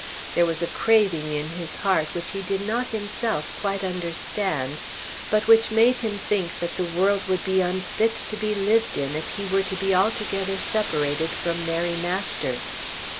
There was a craving in his heart which he did not himself quite understand, but which made him think that the world would be unfit to be lived in if he were to be altogether separated from Mary Masters.